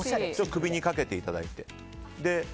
首にかけていただいて。